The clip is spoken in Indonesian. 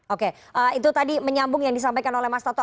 oke itu tadi menyambung yang disampaikan oleh mas toto